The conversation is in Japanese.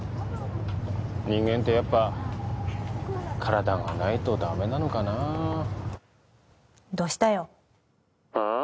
人間ってやっぱ体がないとダメなのかなどしたよ☎あっ？